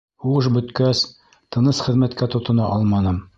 Һуғыш бөткәс, тыныс хеҙмәткә тотона алманым.